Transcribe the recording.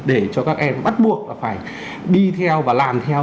để cho các em bắt buộc là phải đi theo và làm theo